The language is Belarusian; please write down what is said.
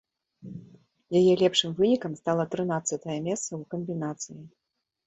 Яе лепшым вынікам стала трынаццатае месца ў камбінацыі.